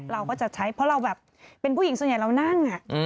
เราก็จะใช้เพราะเราแบบเป็นผู้หญิงส่วนใหญ่เรานั่ง